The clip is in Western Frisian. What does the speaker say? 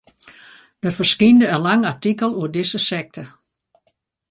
Der ferskynde in lang artikel oer dizze sekte.